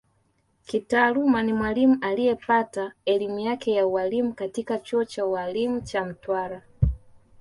Kitaaluma ni Mwalimu liyepata elimu yake ya Ualimu katika chuo cha ualimu cha Mtwara